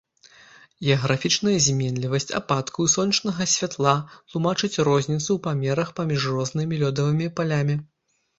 Геаграфічная зменлівасць ападкаў і сонечнага святла тлумачыць розніцу ў памерах паміж рознымі лёдавымі палямі.